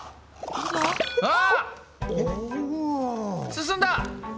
進んだ！